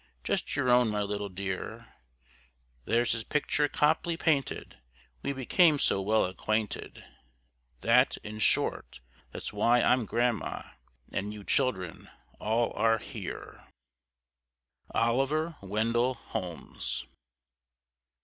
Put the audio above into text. Just your own, my little dear, There's his picture Copley painted: we became so well acquainted, That in short, that's why I'm grandma, and you children all are here! OLIVER WENDELL HOLMES.